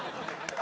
あ！！